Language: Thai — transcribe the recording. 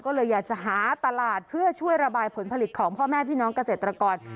ก็เลยอยากจะหาตลาดเพื่อช่วยระบายผลผลิตของพ่อแม่พี่น้องเกษตรกร